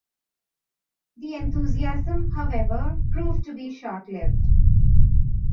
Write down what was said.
The enthusiasm, however, proved to be short lived.